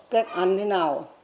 cách ăn thế nào